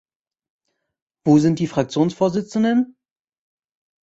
Wo sind die Fraktionsvorsitzenden?